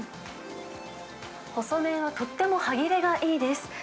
細麺はとっても歯切れがいいです。